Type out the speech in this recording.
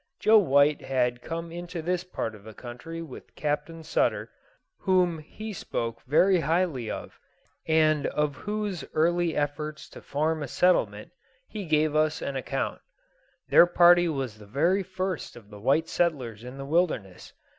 Joe White had come into this part of the country with Captain Sutter, whom he spoke very highly of, and of whose early efforts to form a settlement he gave us an account. Their party was the very first of the white settlers in the wilderness.